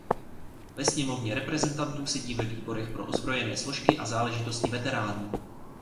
Ve sněmovně reprezentantů sedí ve výborech pro ozbrojené složky a záležitosti veteránů.